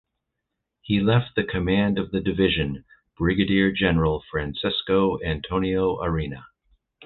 He left the command of the division Brigadier General Francesco Antonio Arena.